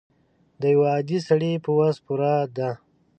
د یو عادي سړي په وس پوره ده.